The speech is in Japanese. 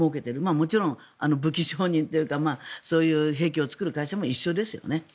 もちろん武器商人というかそういう兵器を作る会社も一緒ですよね。